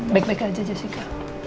beg beg aja jessica